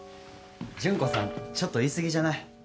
純子さんちょっと言い過ぎじゃない。